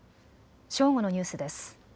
正午のニュースです。